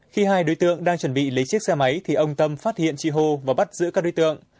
khi hai đối tượng đang chuẩn bị lấy chiếc xe máy thì ông tâm phát hiện chị hô và bắt giữ các đối tượng